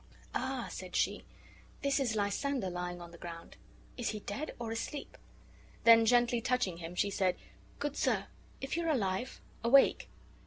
"Ah!" said she, "this is Lysander lying on the ground. Is he dead or asleep?" Then, gently touching him, she said, "Good sir, if you are alive, awake."